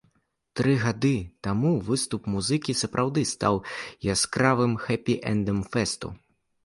Тры гады таму выступ музыкі сапраўды стаў яскравым хэпі-эндам фэсту.